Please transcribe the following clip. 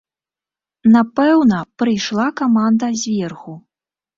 Напэўна, прыйшла каманда зверху.